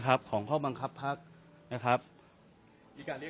กับการมาสามบังคับในกรณ์นี้